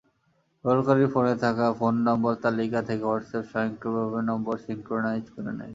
ব্যবহারকারীর ফোনে থাকা ফোন নম্বর তালিকা থেকে হোয়াটসঅ্যাপ স্বয়ংক্রিয়ভাবে নম্বর সিংকক্রোনাইজ করে নেয়।